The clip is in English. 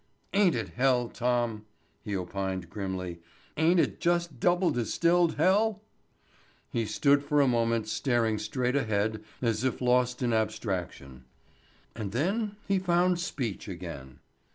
"Ain't it hell, Tom?" he opined grimly. "Ain't it just double distilled hell?" He stood for a moment staring straight ahead as if lost in abstraction. And then he found speech again.